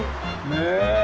ねえ。